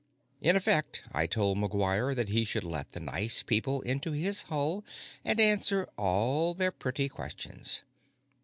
In effect, I told McGuire that he should let the nice people into his hull and answer all their pretty questions.